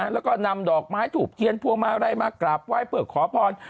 แล้วก็นำดอกไม้ถูกเทียนพวงมาลัยมากราบไหว้เพื่อขอพร